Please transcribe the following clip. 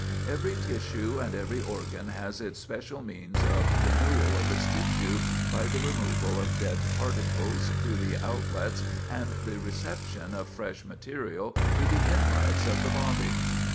Every tissue and every organ has its special means of renewal of its tissue by the removal of dead particles through the outlets and the reception of fresh material through the inlets of the body.